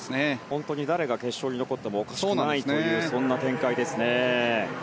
本当に誰が決勝に残ってもおかしくないというそんな展開ですね。